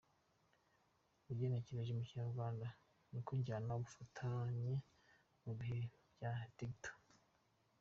Ugenekereje mu Kinyarwanda ni nko kujyana ubufatanye mu bihe bya digital.